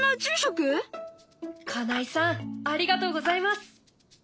金井さんありがとうございます！